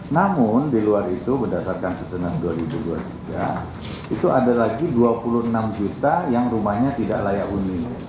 namun di luar itu berdasarkan susunan dua ribu dua puluh tiga itu ada lagi dua puluh enam juta yang rumahnya tidak layak huni